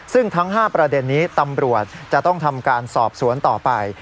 ซึ่งทั้ง๕ประเด็นนี้ตำรวจจะต้องทำการสอบสวนต่อไป